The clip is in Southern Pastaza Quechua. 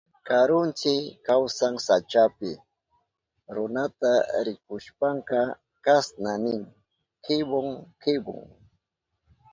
Karuntsi kawsan sachapi. Runata rikushpanka kasna nin: kibon kibon.